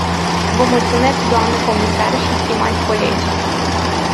Vă mulțumesc, doamnă comisar și stimați colegi.